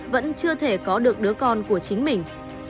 vẫn chưa thể có được đứa con của chính mình